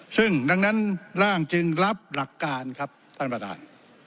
ซึ่งดังนั้นร่างจึงรับหลักการครับท่านประธาน